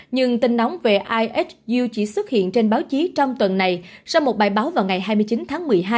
nhưng tin nóng về is you chỉ xuất hiện trên báo chí trong tuần này sau một bài báo vào ngày hai mươi chín tháng một mươi hai